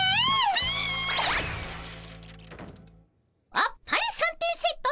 あっぱれ三点セットさま！